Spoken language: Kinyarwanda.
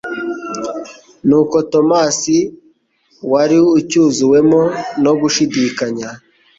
Nuko Tomasi wari ucyuzuwemo no gushidikanya